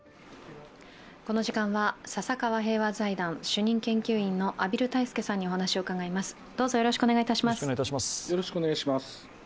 この時間は笹川平和財団主任研究員の畔蒜泰助さんにお話を伺います。